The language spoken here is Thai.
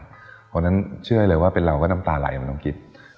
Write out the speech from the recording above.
เพราะฉะนั้นเชื่อให้เลยว่าเป็นเราก็น้ำตาไหล